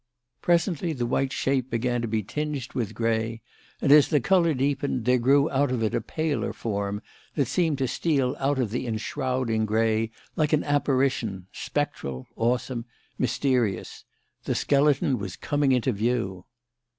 Presently the white shape began to be tinged with grey, and, as the colour deepened, there grew out of it a paler form that seemed to steal out of the enshrouding grey like an apparition, spectral, awesome, mysterious. The skeleton was coming into view.